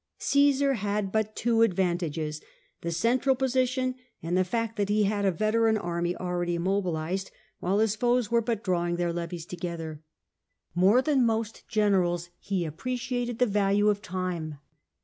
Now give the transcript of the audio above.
Cmsar had but two advantages — the central position, and the fact that ho had a veteran army already mobilised, while CJESAR CONQUERS SPAIN 327 his foes were but drawing their levies together. More than most generals he appreciated the value of time.